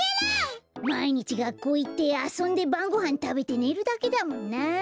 まいにちがっこういってあそんでばんごはんたべてねるだけだもんなあ。